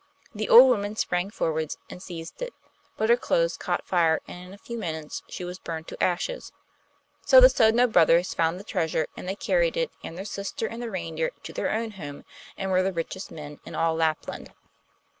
The old woman sprang forwards and seized it, but her clothes caught fire, and in a few minutes she was burned to ashes. So the Sodno brothers found the treasure, and they carried it, and their sister and the reindeer, to their own home, and were the richest men in all Lapland.